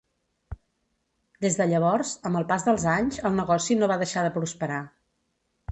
Des de llavors, amb el pas dels anys, el negoci no va deixar de prosperar.